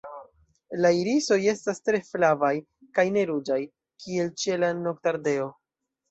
La irisoj estas tre flavaj kaj ne ruĝaj, kiel ĉe la Noktardeo.